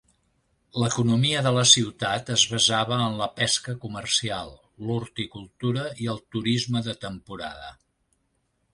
L'economia de la ciutat es basava en la pesca comercial, l'horticultura i el turisme de temporada.